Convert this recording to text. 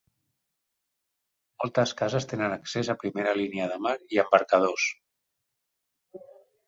Moltes cases tenen accés a primera línia de mar i embarcadors.